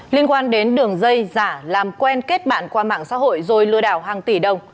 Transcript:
liên quan đến đường dây giả làm quen kết bạn qua mạng xã hội rồi lừa đảo hàng tỷ đồng